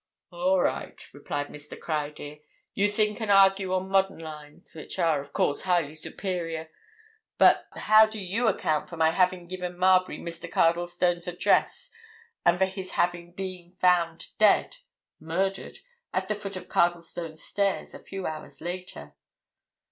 "All right," replied Mr. Criedir. "You think and argue on modern lines—which are, of course, highly superior. But—how do you account for my having given Marbury Mr. Cardlestone's address and for his having been found dead—murdered—at the foot of Cardlestone's stairs a few hours later?"